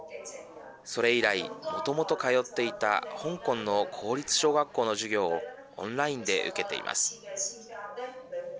それ以来、もともと通っていた香港の公立小学校の授業をオンラインで受けています。